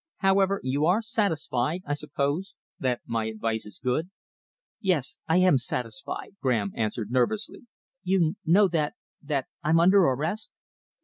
"However, you are satisfied, I suppose, that my advice is good?" "Yes, I am satisfied," Graham answered nervously. "You know that that I'm under arrest?"